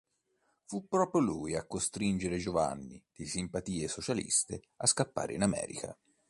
Fu proprio lui a costringere Giovanni, di simpatie socialiste, a scappare in America.